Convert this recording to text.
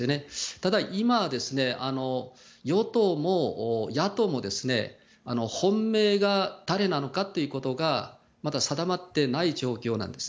ただ、今は与党も野党も本命が誰なのかということがまだ定まっていない状況なんです。